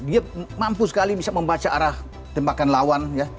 dia mampu sekali bisa membaca arah tembakan lawan ya